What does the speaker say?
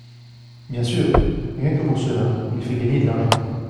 Bien sûr ! Rien que pour cela, il fait gagner de l’argent.